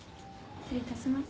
失礼いたします。